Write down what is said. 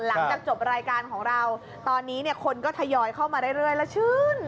หลังจากจบรายการของเราตอนนี้คนก็ทยอยเข้ามาเรื่อย